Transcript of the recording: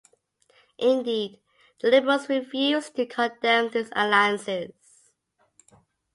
Indeed, the Liberals refused to condemn these alliances.